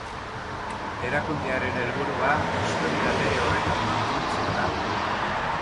Erakundearen helburua historia bere horretan mantentzea da.